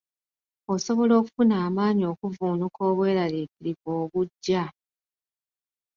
Osobola okufuna amaanyi okuvvuunuka obweraliikirivu obujja.